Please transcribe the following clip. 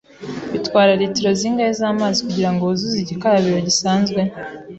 Bitwara litiro zingahe zamazi kugirango wuzuze igikarabiro gisanzwe?